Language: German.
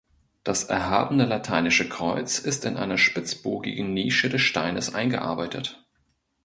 Das erhabene lateinische Kreuz ist in einer spitzbogigen Nische des Steines eingearbeitet.